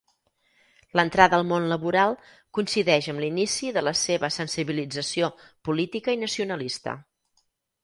L'entrada al món laboral coincideix amb l'inici de la seva sensibilització política i nacionalista.